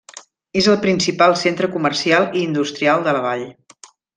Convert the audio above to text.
És el principal centre comercial i industrial de la vall.